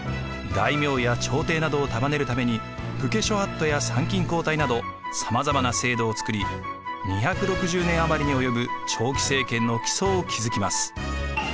大名や朝廷などを束ねるために武家諸法度や参勤交代などさまざまな制度を作り２６０年余りに及ぶ長期政権の基礎を築きます。